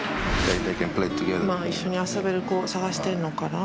まぁ一緒に遊べる子探してるのかな。